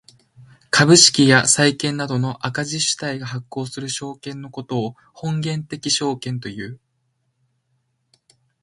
株式や債券などの赤字主体が発行する証券のことを本源的証券という。